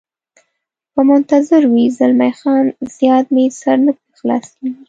به منتظر وي، زلمی خان: زیات مې سر نه په خلاصېږي.